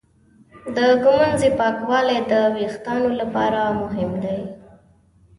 د ږمنځې پاکوالی د وېښتانو لپاره مهم دی.